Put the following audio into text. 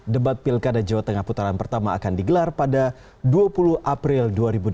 debat pilkada jawa tengah putaran pertama akan digelar pada dua puluh april dua ribu delapan belas